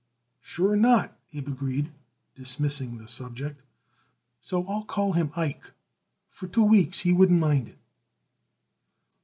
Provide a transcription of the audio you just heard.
"Sure not," Abe agreed, dismissing the subject. "So, I'll call him Ike. For two weeks he wouldn't mind it."